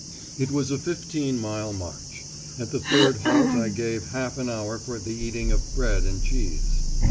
It was a fifteen mile march. At the third halt I gave half an hour for the eating of bread and cheese.